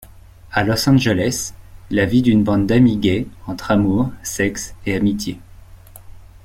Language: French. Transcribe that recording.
À Los Angeles, la vie d'une bande d'amis gays entre amour, sexe et amitié.